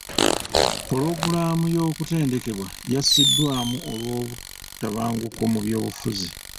Pulogulamu y'okutendekebwa yasaziddwamu olw'obutabanguko mu byobufuzi.